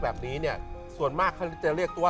แบบนี้เนี่ยส่วนมากเขาจะเรียกตัว